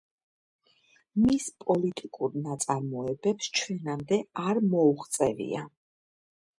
მის პოლიტიკურ ნაწარმოებებს ჩვენამდე არ მოუღწევია.